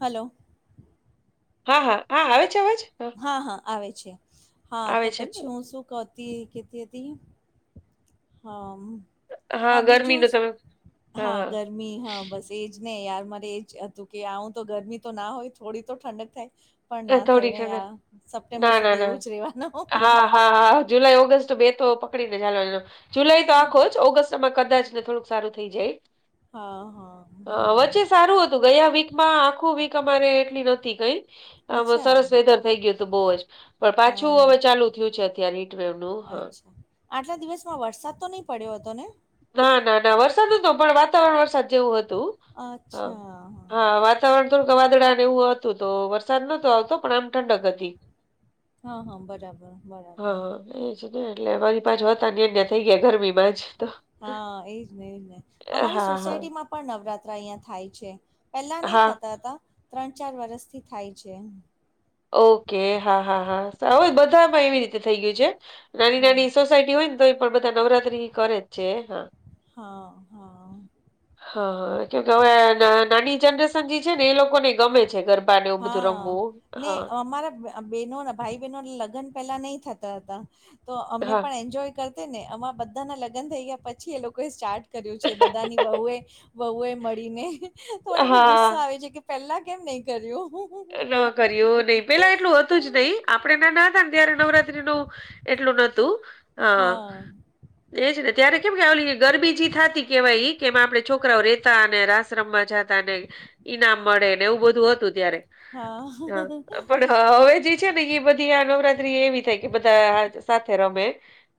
Hello હા હા હા આવે છે આવેજ હા હા હા આવે છે હા તો આવે છે ને. પછી હું શું કતી કેતી હતી હા હા બીજું ગરમીનું તમે હા ઘર ગરમી હા બસ એજ નને યાર મારે એજ હતું કે આવું તો ગરમી તો ના હોય થોડી તો ઠંડક થાય પણ એ ના થઈ થોડીક ને હેને આ સપ્ટેમ્બર ના, ના, સુધી ના. એવું જ રેવાનું હા, હા, હા, જુલાઈ ઓગસ્ટ બે તો પકડીને ચાલો જુલાઈ તો આખો જ ઓગસ્ટમાં કદાચ ને થોડુંક સારું થઈ જાય હા હા અ વચ્ચે સારું હતું ગયા વીકમાં આખું વીક અમારે એટલી નથી કઈ હ આમાં અચ્છા સરસ વેધર થઇ ગયું હતું બહુ જ પણ હા પાછું હવે ચાલુ થયું છે અત્યારે નીટવેવ નું હા અચ્છા આટલા દિવસમાં વરસાદ તો નહીં પડ્યો હતો ને ના ના ના વરસાદ નતો પણ વાતાવરણ વરસાદ જેવું હતું હ હા વાતાવરણ તોોર ગ વાદડાને એવું હતું તો વરસાદ નતો આવતો પણ આમ ઠંડક હતી હા હા બરાબર હા બરાબર હા એ ને એટલે મારી પાછ હો હતા અન્યા થઈ ગયા ગરમીમાં જ તો હા એજ ને એજ નહ અમારી હા હા સોસાયટી માં પણ નવરાત્ર અહિયાં થાય છે પહેલા નહ હા થતા હતા ત્રણ ચાર વરસથી થાય છેમ ઓકે હા હા હાાર બધામાં એવી રીતે થઈ ગયું છે નાની હા નાની સોસાયટી હોય તો એ પણ બધા નવરાત્રી કરે જ છે હા હા હા હા કેકે હવે નાની જનરેશન જે છે ને એ લોકોને ગમે છે ગરબ પાનેવું બધું હા રમવું ને હા અમારા બેનો ભાઈ બહેનો લગ્ન પેલા નહી થતા હતા તો અમે હા પણ એન્જોય કર ને આમાં બધાના લગ્ન થઈ ગયા પછી એ લોકોએ સ્ટાર્ટ કર્યું છે બધાની વહુએ વહુ એ મળીને તો મને બઉ ગુસ્સા હા આવે છે કે પેલા કેમ નહી કર્યું ન કર્યું નહી પેલા એટલું હતું જ નહિ આપણે ના ના હતા ને ત્યારે નવરાત્રી નું એટલું નોતું હા એજને ત્યારે કેમ કેલી ગરબીજી થતી કેવાય કેમ આપડે છોકરાઓ રેતા અને આશ્રમમાં જાતા ઈનામ મળે ને એવું બધું હતું ત્યારે હા હ હા પણ હવે જે છે ને એ બધી આ નવરાત્રી એવી થાય કે બધા સાથે રમે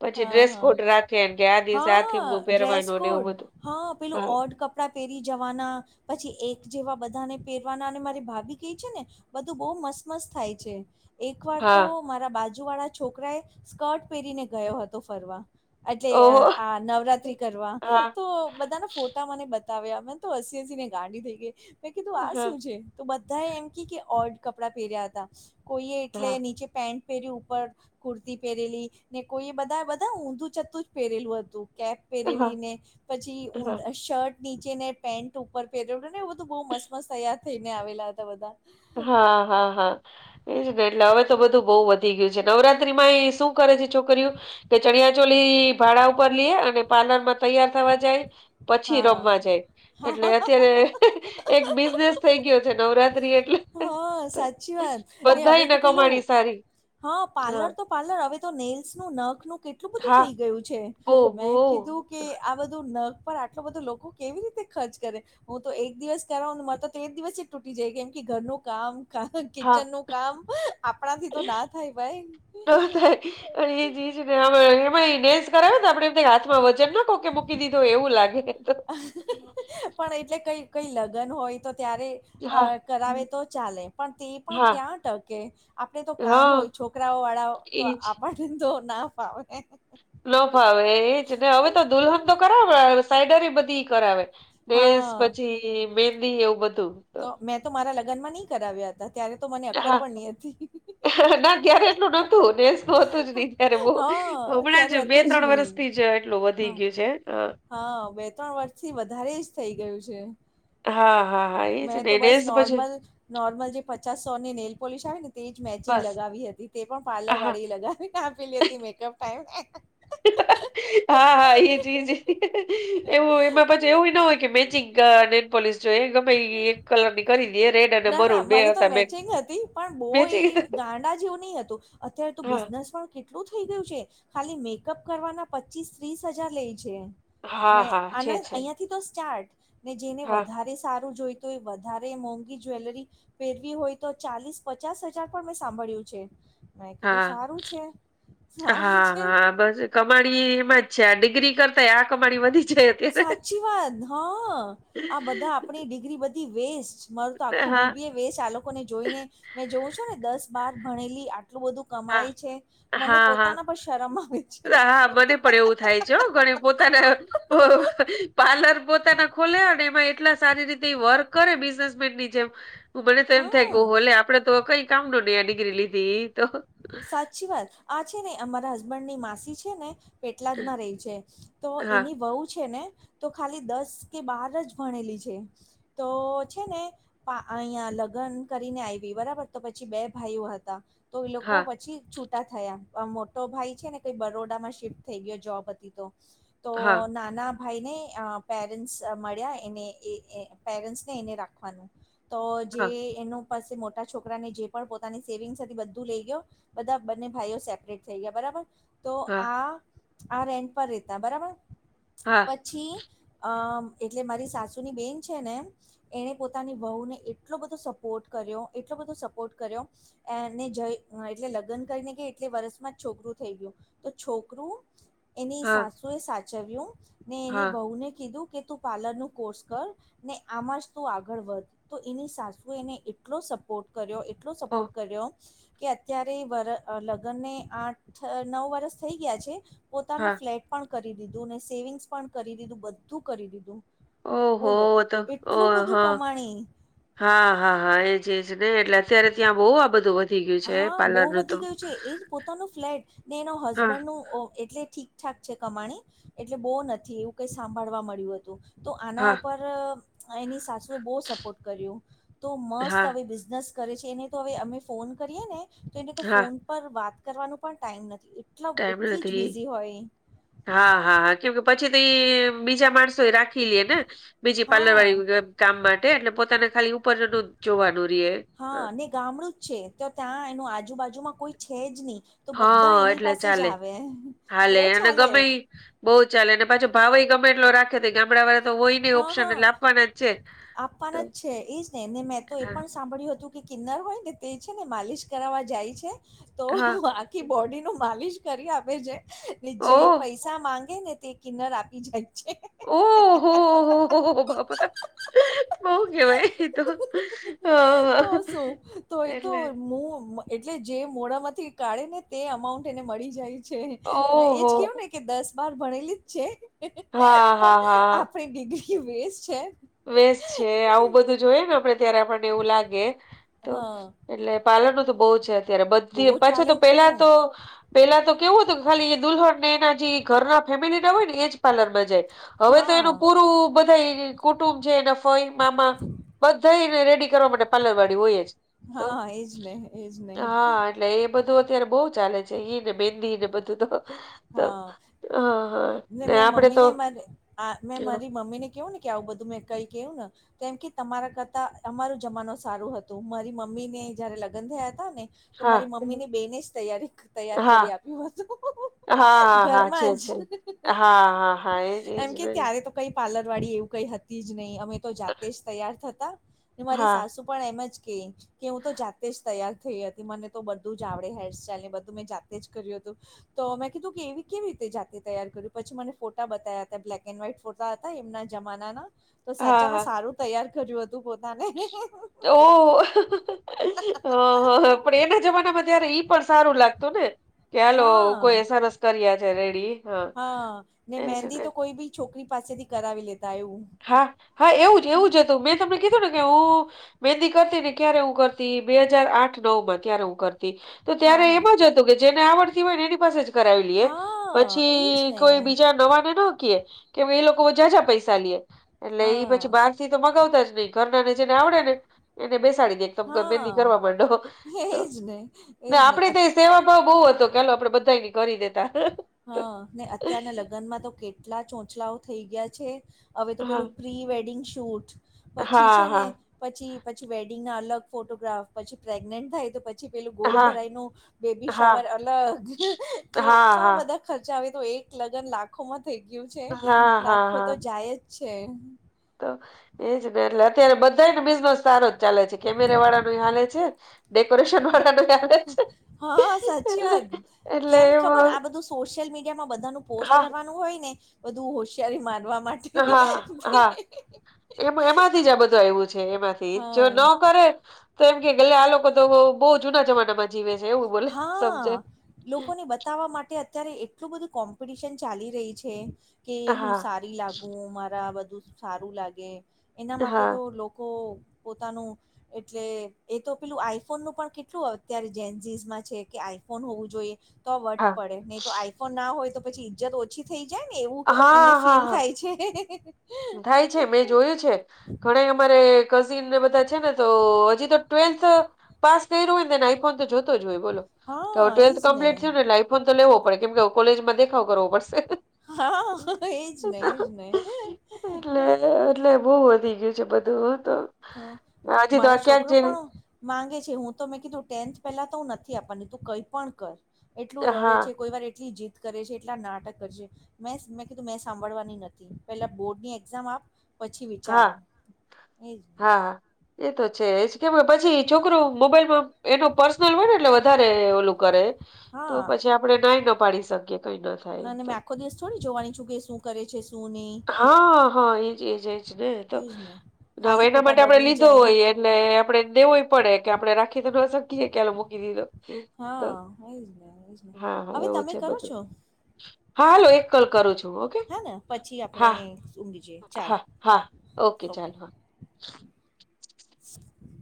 પછી હા ડ્રેસ હા કોડ રાખે ને કે આ દિવસે આ થીમ હા નું ડ્રેસ પહેરવાનું ને એવું કોડ બધું હા પેલું ઓડ કપ કપડા પહેરી જવાના પછી એક જેવા બધાને પહેરવાના અને મારી ભાભી કહી છે ને બધું બહુ મસ્ત મસ્ત થાય છે એક વાર તો હા મારા બાજુ વાળા છોકરાએ સ્કર્ટ પહેરીને ગયો હતો ફરવા એટલે ઓહો આ નવરાત્રી કરવા હા તો બધાને ફોટા મને બતાવ્યા મને તો હસી હસી ને ગાંડી થઈ ગઈ મેં કીધું આ હા શું છે. તો બધા એમ કે કે ઓર્ડ કપડાં પહેર્યા હતા કોઈએ એટલે હા નીચે પેન્ટ પહેરી ઉપર કુર્તી પહેરેલી ને કોઈ એ બધા બધા ઊંધું છતું જ પહેરેલું હતું કે હા પહેરેલી ને પછી હા ઊ શર્ટ નીચે ને પેન્ટ ઉપર પહેરવડ્યું ને એું બધું બહુ મસ્ત મસ્ત તૈયાર થઈને આવેલા હતા બધા હા હા હા એજ ને એટલે હવે તો બધું બહુ વધી ગયું છે નવરાત્રીમાં એ શું કરે છે છોકરીઓ કે ચણિયા ચોલી ભાડા ઉપર લઈએ અને પાર્લર માં તૈયાર થવા જાય પછી રમવા હા જાય એટલે હા અત્યારે એક બિઝનેસ થઈ ગયો છે નવરાત્રી એટલે હા સાચી વાત ને હવે બધાને તો પેલું કમાણી સારી હા પાર્લર તો પાર્લર હવે તો નેલ્સ નું નખનું કેટલું બધું હા થઈ ગયું છે બહુ બહુ મેં કીધું કે આ બધું નગ પર આટલો બધો લોકો કેવી રીતે ખર્ચ કરે. હું તો એક દિવસ કરાવ મારે તો તો એક દિવસ જ તૂટી જાય કેમ કે ઘરનું કામ હા કિચન નું કામ આપણાથી તો ના થાય ભાઈ. અ જી એમાં નેસ કરાવ ને આપણે એમ હાથમાં વજન ના કો કે મૂકી દીધું એવું લાગે પણ એટલે કઈ કઈ લગ્ન હોય તો ત્યારે અ હા કરાવે તો ચાલે પણ તે પણ હા ક્યાં ટકે આપણે તો કામ હા હોય છોકરાઓ વાળાઓ તો એજ આપ તોો ના ફાવે. ન ફાવે એજ ને હવે તો દુલ્હન તો કરાવે સાઈડર બધી કરાવે. સ હા પછી મેંદી એવું બધું તો મેં તો મારા લગ્ન માં નહી કરાવ્યા હતા ત્યારે તો મને અક્કલ હા પણ નહી હતી. ના જય્યારે એટલું નતું નેસું હતું જ નહ ત્યારે બ હા હમણાં જ ત્યારે બે હતું ત્રણ નહી વરષ થી જ કેટલું વધી હા ગયું છે હ હા બે ત્રણ વર્ષથી વધારે જ થઇ ગયું છે. હા હા. હા એજ મેં તો ને બસ નેસ પછી નોર્મલ. નોર્મલ જે પચાસ સો ની નેલ પોલિશ આવે ને તે જ મેચિંગ બસ લગાવી હતી તે પણ પાર્લર હા વાળી લગાવી. પી લી હતી મેકઅપ ટાઈમ હા હા એજજ એવું એમાં પછી એવું ના હોય કે મેચિંગ ગ પોલીસ જો એ ગમે એક કલર ની કરી દે રેડ અને ના ના મરુન બે મારી તો હતા બે મેચિંગ હતી પણ બહુ એ બેચી ગ [inaudible] ગાંડા જેવું નહી હતોું અત્યારે તો બિઝનેસ પણ એટલું થઈ ગયું છે ખાલી મેકઅપ કરવાના પચીસ ત્રીસ હજાર લે છે. હા મે હા છે આના છે અહિયાંથી તો સ્ટાર્ટ ને જેને હા. વધારે સારું જોઈતો હો વધારે મોંઘી જ્વેલરી. પેરવી હોય તો ચાલીસ પચાસ હજાર પણ મેં સાંભળ્યું છે. મેં કીધું હા. સારું છે સારું છે. કમાડીમાં છે ડિગ્રી કરતા સાચી વાત હા આ બધા. આપણી ડિગ્રી બધી વેસ્ટ મારું તો આખું હા બીબીએ બે ચાલકોને જોઈને મેં જોવઉ છું ને દસ બાર ભણેલી આટલું બધું. હા કમાય છે મને હા હા. પોતાના પણ શરમ આવે છે. જો ઘણી પોતાના પાર્લર પોતાના ખોલ ને એમાં એટલા સારી રીતે વર્ક કરે બિઝનેસમેન ની જેમ હું બને તો એમ થાય હા કેલે આપડે તો કઈ કામ ન નહી આ ડિગ્રી લીધી તો સાચી વાત આ છે ને અમારા હસબન્ડ ની માસી છે ને પેટલાદમાં રેય છે, તો હા એની વહુ છે, ને તો ખાલી દસ કે બાર જ ભણેલી છે, તો છે ને આ અહિયાં લગ્ન કરીને આયવી બરાબર તો પછી બે ભાઈઓ હતા તો એ લોકો હા પ છી છૂટા થયા અમ મોટો ભાઈ છે, ને કઈ બરોડામાં શિફ્ટ થઈ ગયો જોબ હતી તો તો હા નાના ભાઈ ને અ પેરેન્ટ્સ મળ્યા એને એ એ પેરેન્ટ્સ ને એને રાખવાનું તો જે હા એનું પાસે મોટા છોકરા ને જે પણ પોતાની સેવિંગસ હતી બધું લેય ગયો બધા બંને ભાઈઓ સેપરેટ થઈ ગયા બરાબર તો હા આ આ રેન્ટ પર રેતા બરાબર હા પ છી અ એટલે મારી સાસુની બેન છે ને એણે પોતાની વહુને એટલો બધો સપોર્ટ કર્યો એટલો બધો સપોર્ટ કર્યો એને જય એટલે લગ્ન કરીને કે એટલે વર્ષમાં જ છોકરું થઈ ગયું તો છોકરું એની હા સાસુ તું એ સાચવ્યું ને એની હા વઉ ને કીધું કે તું પાર્લર નુ કોર્સ કર ને આમાં જ તુ આગળ વધ તો એની સાસુ એને એટલો સ પોર્ટ કર્યો એટલો ઓ સપોર્ટ કર્યો કે અત્યારે વર લગ્નને આઠ નવ વરસ થઈ ગયા છે, હા પોતાનું ફ્લે પણ કરી દીધું ને સેવિંગ્સ પણ કરી દીધું બધું કરી દીધું બોલો ઓહો! તો એટલું ઓહ! બધું કમાણી હા હા હા એજ એજ ને એટલે અત્યારે ત્યાં બો આ બધું વધી ગયું છે હા બો પાર્લરનું તો. વધી ગયું છે, એ પોતાનું ફ્લેટ ને એનો હા, હસબન્ડનું ઓ એટલે ઠી ઠાક છે, કમાણી એટલે બો નથી એવું કઈ સાંભળવા મળ્યું હતું તો આના હા, ઉપર ર એની સાસુ બો સપોર્ટ કર્યું તો મસ્ત હા, હવે બિઝનસ કરે છે, એને તો હવે અમે ફોન કરીએ ને તો એને તો હા, ફોન પર વાત કરવાનો પણ ટાઈમ ન ટાઈમ નથી હા હા હા કેમ કે પછી તો એ બીજા માણસો એ રા ખી લે ને બીજી પાર્લર હા વાળી કામ માટે એટલે પોતાને ખાલી ઉપરનું જોવાનું રીએ હા ને ગામડું જ છે, તો ત્યાં એનું આજુબાજુમાં કોઈ છે, જ ની તો બધા હા, એની એટલે પાસે જ ચાલે આવે બો ચાલે બો ચાલે અને પાછો ભાવ એ ગમે એટલો રાખે તે કે ગામડા વાળા હા હા આપવાન જ, તો છે એજ નેને મેં તો એ હા, પણ સાંભળ્યું હતું કે કિન્નર હોય ને તે છે, ને માલિશ કરાવવા જાય છે, તો હા, ખી બોડી નુ માલિશ કરી આપે છે, જે ઓહ! પૈ સા માંગે ને તે કિન્નર આપી જાય છે. ઓહ હો હો હો બાપા તો બોવ કેવાય એ તો હા તો [unintelligible] એટલે જે મોડા માંથી કાઢે ને તે અમાઉન્ટ એને મળી જાય છે, મે એજ ઓહો! કેવું ને કે દસ બાર ભણેલી જ છે, હા, પણ હા, હા. આપણી ડિગ્રી વેસ્ટ છે. વેસ છે, આવું બધું જોઈએ ને આપડે ત્યારે આપણને એવું લાગે તો હા એટલે પાલન નું તો બો છે, અત્યારે બહુ બધી પાછા ચાલે તો છે પેલા તો પેલા તો કેવું હતું કે ખાલી એ દુલ્હનને એના જે ઘર ફેમિલીના હોય ને એજ પાર્લરમાં જાય હવે તો હા એનું પૂરું બધા કુટુંબ છે, એના ફોય મામા બધાને રેડી કરવા માટે પાર્લર વાળી હોય તો હા એજ ને એજ ને હા એટલે એ બધું અત્યારે બો ચાલે છે, ઈ ને બેંદી ને બધું તો તો હા હા હા ને મે આપડે મમ્મી તો ને મા આ મેં હા મારી મમ્મીને કેવું કે આવું બધું મેં કઈ કેહું ને કેમ કે તમારા કરતા અમાર જમાનું સારું હતું મારી મમ્મી ને જયારે લગ્ન થયા હતા ને તો મારી મમ્મીની બેને જ તૈયારી તૈયાર હા કરી આપ્યું હતું હા હા હા છે ઘરમાં છે જ હા હા હા એજ એમ એજ કે ને ત્યારે તો કઈ પાર્લર વાળી એવું કઈ હતી જ નહીં અમે તો જાતે જ તૈયાર થતા ને મારી હા સાસુ પણ એમ જ કેય કે હું તો જાતે જ તૈયાર થઈ હતી મને તો બધું જ આવડે હેરસ્ટાઈલ ને બધું મેં જાતે જ કર્યું હતું. તો મે કીધું કે એવી કેવી રીતે જાતે તૈયાર કર્યું પછી મને ફોટા બતાવયા હતા બ્લેક એન્ડ વ્હાઈટ ફોટા હતા એમના જમાનાના તો હા હા સાચામાં સારું તૈયાર કર્યું હતું પોતાને ઓ હ હ હ પણ એના જમાનામાં ત્યારે ઈ પણ સારું લાગતું ને! કાલ હા કોઈ સરસ કર્યા છે રેડી હા એજ મહેંદી ને તો કોઈ બી છોકરી પાસેથી કરાવી લેતા એવું. હા હા એવું જ એવું જ હતું મેં તમને કીધું ને કે હું મહેંદી કરતી ને ક્યારે હું કરતી બે હાજાર આઠ નવ માં ત્યારે હું કરતી. તો હા ત્યારે હા એમાં જ હતું કે જેને આવડતી હોય ને એની પાસે જ કરાવી લઈએ. હા એજ પછી ને કોઈ બીજા નવાને નો કીએ. કેમ એ લોકો જા જા પૈસા લે એટલે એ પછી હા બારથી તો મગાવતા જ નહીં ઘરના ને જેને આવડે ને એને બેસાડી દે એક તમ બેંદી હા કરવા માંડો એજ ને ને એજ. ને આપડે તો અત- સેવા ભાવ બહવ હતો કેલો આપડે બધા કરી દેતા. હા ને અત્યારના લગ્નમાં તો કેટલા ચોંચલાઓ થઈ ગયા છે હવે તો હા પેલું પ્રી વેડિંગ શૂટ પછી હા છે ને હા પછી પછી વેડિંગ ના અલગ ફોટોગ્રાફ પછી પ્રેગ્નેન્ટ થાય તો પછી પછી પેલું ગોદ હા ભરાય નું બેબી હા શાવર અલગ કે હા હા ખર્ચા આવે તો એક લગ્ન લાખોમાં થઈ ગયું છે હા હા લાખો હા તો જાય જ છે. તો એજ ને એટલે અત્યારે બધાને બિઝનેસ સારો જ ચાલે છે કેમેરા વાળા ન હાલે છે. ડેકોરેશન વાળા નું હાલે છે હ હા સાચી એટલે વાત. એટલે કેમ ખબર એમાં આ બધું સોશિયલ મીડિયામાં બધા ન પોસ્ટ હા કરવાનું હોય ને બધું હોશિયારી મારવા માટે હા હા હા એમાં એમાંથી જ આ બધું આવવું છે એમાંથી જો હા ન કરે તો એમ કે ગલે આ લોકો તો બહુ જૂના જમાનામાં જીવે છે. એવું બોલે હા સમજે લોકોને બતાવવા માટે અત્યારે એ એટલું બધું કોમ્પિટિશન ચાલી રહી છે કે હું હા સારી લાગુ. મુ મારા બધું સારું લાગે એના માટે હા તો લોકો પોતાનું એટલે એ તો પેલું આઈફોનનું પણ કેટલું અત્યારે જે છે કે આઈફોન હોવું જોઈએ તો આ વટ હા પડે નહી તો આઈફોન ના હોય તો પછી ઈજ્જત ઓ ઓછી થઈ જાય ને એવું એમને હા હા ફીલ હા થાય છે. થાય છે મેં જોયું છે. ઘણે અમારે કને બધા છે ને તો હજી તો ટ્વેલ્થ પાસ થઈ રહ્યું હોને આઈફોન તો જો ટ્વેલથ હા કલ્થ્પટ એજ થયું ને લાઈફો તો લેવો પડે કે કોલેજમાં દેખાવ કરવો પડશે હા એજ નહ એજ એટલે એટલે બહુ વધી ગયું છે બધું તો. હ હજી તો આ મારા ક્યાંક છોકરો જઈને પણ માંગે છે હું તો મેં કીધું ટેન્થ પેલા તો હું નથી આપવાની તું કઈ પણ કર. એટલું રડે હા છે કોઈ વાર એટલી જીત કરે છે એટલા નાટક કરે છે. મે મેં કીધું મેં સાંભળવાની નથી પેલા બોર્ડ ની એક્ઝામ આપ પછી હા વિચારા એ જ હા હા એ તો છેજ કેમ પછી છોકરું મોબાઈલમાં એનું પર્સનલ હોય ને એટલે વધારે ઓલું કરે. તો હા પછી આપણેે નાઈ ના પાડી શકીએ કઈ ના થાય અને તો. મેં આખો દિવસ થોડી જોવાની છું કે શું કરે છે સુની હા હા એજ એજ એજ ને તો એજ ને નવે ખાલી એના ખોટા માટે આપડે બગડી લીધો જાય હોય એટલે આપડણેેવુંય પડે કે આપણે રાખી તો શકી એ ક્યાલો મૂકી દીધો. હા એજ ને એજ ને હા હા હવે એવું તમે છે કરો બધું છો હા હાલો એક કોલ કરું છુ. હા પછી આપણે ઊંડી જે ચાલો. હા હા ઓકે ચાલો હા [unintelligible]